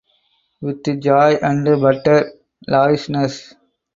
With joy and utter lavishness!